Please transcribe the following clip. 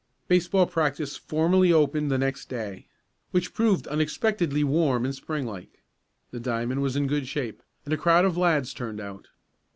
Baseball practice formally opened the next day, which proved unexpectedly warm and springlike. The diamond was in good shape, and a crowd of lads turned out.